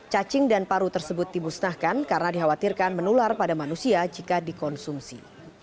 cacing dan paru tersebut dimusnahkan karena dikhawatirkan menular pada manusia jika dikonsumsi